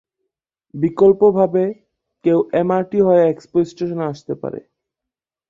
বিকল্পভাবে, কেউ এমআরটি হয়ে এক্সপো স্টেশনে আসতে পারে।